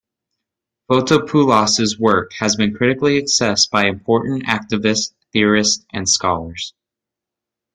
Fotopoulos' work has been critically assessed by important activists, theorists and scholars.